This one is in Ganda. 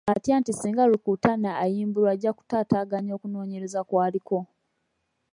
Atya nti singa Rukutana ayimbulwa ajja kutaataaganya okunoonyereza kw'aliko.